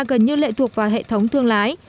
gần như lệ thuộc vào hệ thống thương lái